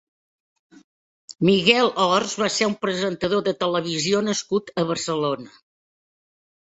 Miguel Ors va ser un presentador de televisió nascut a Barcelona.